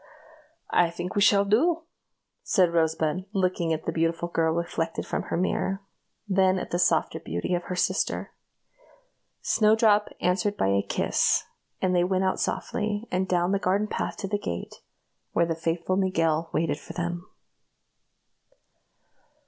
"I think we shall do," said Rosebud, looking at the beautiful girl reflected from her mirror, then at the softer beauty of her sister. Snowdrop answered by a kiss, and they went out softly, and down the garden path to the gate, where the faithful Miguel waited for them.